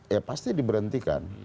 ya pasti diberhentikan